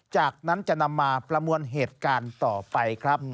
จากนั้นจะนำมาประมวลเหตุการณ์ต่อไปครับ